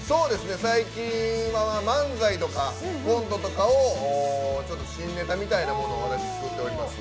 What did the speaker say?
最近は漫才とかコントとかを新ネタみたいなものを作っています。